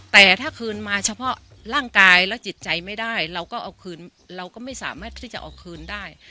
แต่ถ้าคืนมาเฉพาะร่างกายและจิตใจไม่ได้เราก็เอาคืนเราก็ไม่สามารถที่จะเอาคืนได้